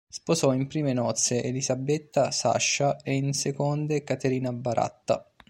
Sposò in prime nozze Elisabetta Sacha e in seconde Caterina Baratta.